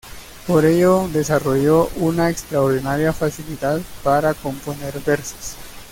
Por ello desarrolló una extraordinaria facilidad para componer versos.